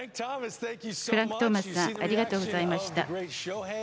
フランク・トーマスさん、ありがとうございました。